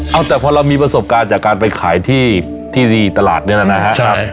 เอาแต่พอเรามีประสบการณ์จากการไปขายที่ตลาดนี่แหละนะฮะ